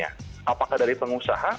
apakah dari pengusaha